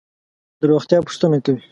د روغتیا پوښتنه کوي.